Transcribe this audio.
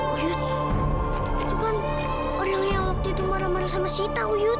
wuyut itu kan orang yang waktu itu marah marah sama sita wuyut